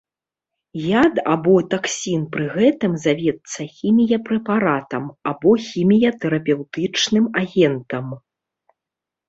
Яд або таксін пры гэтым завецца хіміяпрэпаратам, або хіміятэрапеўтычным агентам.